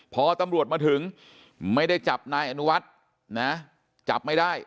พอตำรวจมาถึงไม่ได้จับนายอนุวัฒน์นะจับไม่ได้